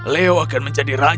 leo akan menjadi raja nanti